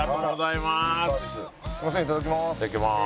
いただきます。